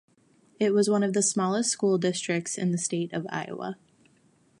It was one of the smallest school districts in the state of Iowa.